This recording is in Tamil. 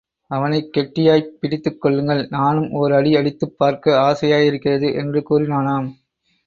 அவனைக் கெட்டியாய்ப் பிடித்துக் கொள்ளுங்கள் நானும் ஓர் அடி அடித்துப் பார்க்க ஆசையாயிருக்கிறது என்று கூறினானாம்.